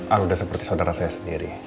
ah udah seperti saudara saya sendiri